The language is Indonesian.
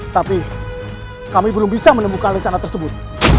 tapi kami belum bisa menemukan rencana tersebut